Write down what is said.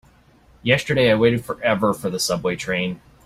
Yesterday I waited forever for the subway train.